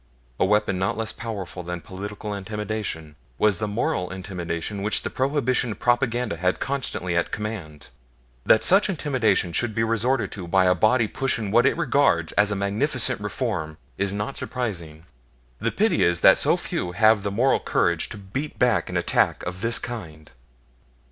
A weapon not less powerful than political intimidation was the moral intimidation which the Prohibition propaganda had constantly at command. That such intimidation should be resorted to by a body pushing what it regards as a magnificent reform is not surprising; the pity is that so few people have the moral courage to beat back an attack of this kind.